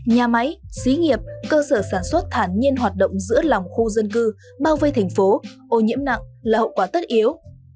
nhà máy xí nghiệp cơ sở sản xuất thản nhiên hoạt động giữa lòng khu dân cư bao vây thành phố ô nhiễm nặng là hậu quả tất yếu